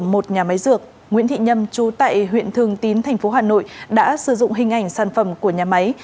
một nhà máy dược nguyễn thị nhâm trú tại huyện thường tín thành phố hà nội đã sử dụng hình ảnh sản phẩm của nhà máy